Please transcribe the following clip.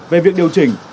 về việc điều chỉnh